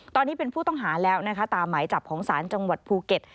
ตอนนี้เป็นผู้ต้องหาแล้วนะคะตามหมายจับของศาลจังหวัดภูเก็ต